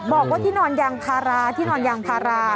บอกว่าที่นอนยางพาราที่นอนยางพารา